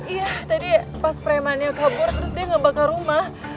iya tadi pas premannya kabur terus dia ngebakar rumah